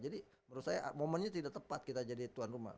jadi menurut saya momennya tidak tepat kita jadi tuan rumah